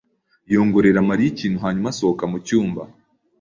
yongorera Mariya ikintu hanyuma asohoka mu cyumba.